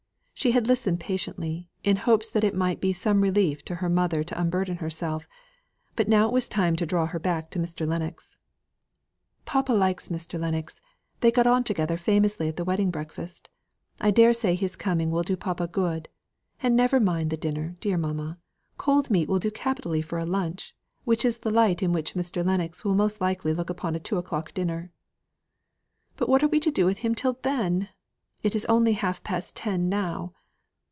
She had listened patiently, in hopes that it might be some relief to her mother to unburden herself; but now it was time to draw her back to Mr. Lennox. "Papa likes Mr. Lennox; they got on together famously at the wedding breakfast. I daresay his coming will do papa good. And never mind the dinner, dear mamma. Cold meat will do capitally for a lunch, which is the light in which Mr. Lennox will most likely look upon a two o'clock dinner." "But what are we to do with him till then? It is only half past ten now."